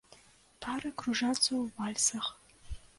Пары кружацца ў вальсах.